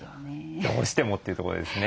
どうしてもっていうとこですね。